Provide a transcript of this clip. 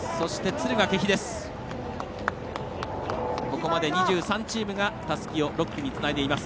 ここまで２３チームをたすきを６区につないでいます。